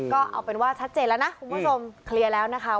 ก็เอาเป็นว่าชัดเจนแล้วนะคุณผู้ชมเคลียร์แล้วนะคะ